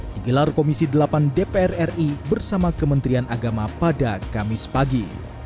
digelar komisi delapan dpr ri bersama kementerian agama pada kamis pagi